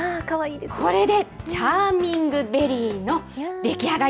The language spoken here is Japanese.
これでチャーミングベリーの出来上がり。